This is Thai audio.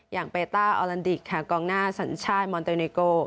อย่างเปต้าออลันดิกค่ะกองหน้าสัญชาติมอนโตเนโก